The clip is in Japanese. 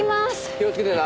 気をつけてな。